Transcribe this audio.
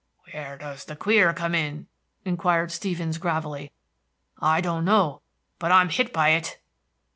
"Where does the queer come in?" inquired Stevens, gravelly. "I don't know; but I'm hit by it."